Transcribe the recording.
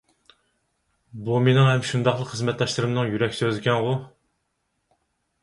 بۇ مېنىڭ ھەم شۇنداقلا خىزمەتداشلىرىمنىڭ يۈرەك سۆزىكەنغۇ!